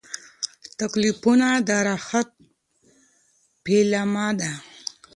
تکلیفونه د راحت پیلامه ده.